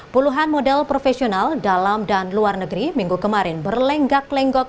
puluhan model profesional dalam dan luar negeri minggu kemarin berlenggak lenggok